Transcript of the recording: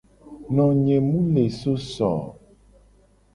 Nonye mu le so so o.